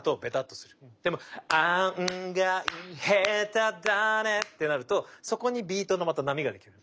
でもあんがい、へただねってなるとそこにビートのまた波ができるの。